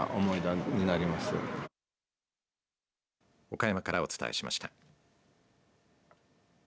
岡山からお伝えしました。